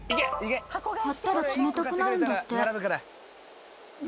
貼ったら冷たくなるんだって。